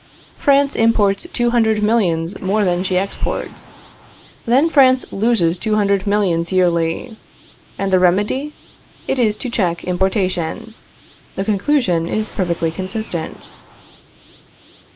France imports two hundred millions more than she exports. Then France loses two hundred millions yearly. And the remedy? It is to check importation. The conclusion is perfectly consistent.